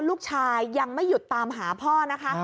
ลูกชายยังไม่หยุดตามหาพ่อนะคะ